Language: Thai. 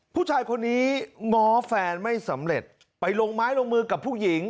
ผู้ชายคนนี้ง้อแฟนไม่สำเร็จไปลงไม้ลงมือกับผู้หญิง